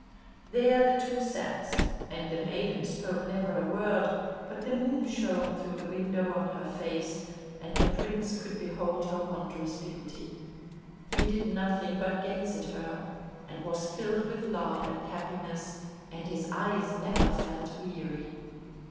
There the two sat, and the maiden spake never a word, but the moon shone through the window on her face, and the prince could behold her wondrous beauty. He did nothing but gaze at her, and was filled with love and happiness, and his eyes never felt weary.